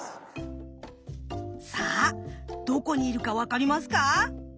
さあどこにいるか分かりますか。